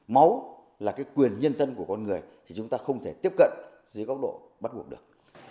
máu là quyền nhân dân của con người thì chúng ta không thể tiếp cận dưới góc độ bắt buộc được